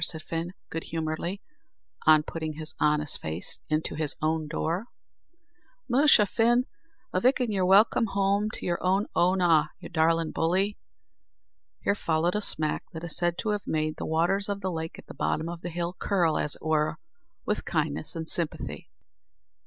said Fin, good humouredly, on putting his honest face into his own door. "Musha, Fin, avick, an' you're welcome home to your own Oonagh, you darlin' bully." Here followed a smack that is said to have made the waters of the lake at the bottom of the hill curl, as it were, with kindness and sympathy.